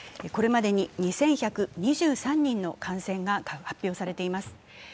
これまでに２１２３人の感染が発表されています。